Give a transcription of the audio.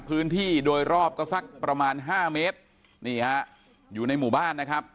พื้นที่โดยรอบก็สักประมาณห้าเมตรนี่ฮะอยู่ในหมู่บ้านนะครับ